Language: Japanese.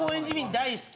大好き。